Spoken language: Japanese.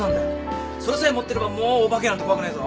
それさえ持ってればもうお化けなんて怖くねえぞ。